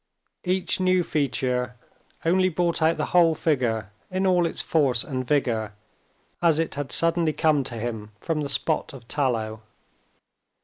Each new feature only brought out the whole figure in all its force and vigor, as it had suddenly come to him from the spot of tallow.